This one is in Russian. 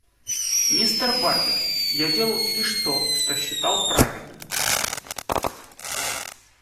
Мистер Батлер, я делал лишь то, что считал правильным.